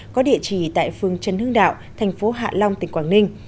có địa chỉ tại phương trấn hương đạo thành phố hạ long tỉnh quảng ninh